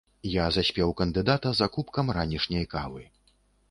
Я заспеў кандыдата за кубкам ранішняй кавы.